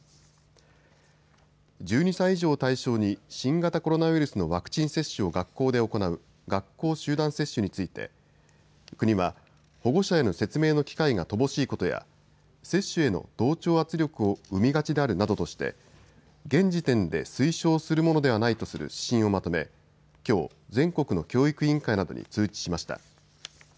１２歳以上を対象に新型コロナウイルスのワクチン接種を学校で行う学校集団接種について国は、保護者への説明の機会が乏しいことや接種への同調圧力を生みがちであるなどとして現時点で推奨するものではないとする指針をまとめきょう全国の教育委員会などに通知しました。